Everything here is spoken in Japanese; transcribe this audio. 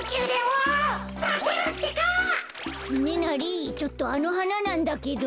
つねなりちょっとあのはななんだけど。